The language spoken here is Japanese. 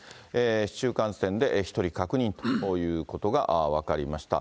市中感染で１人確認ということが分かりました。